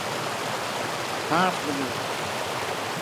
Haadmenu.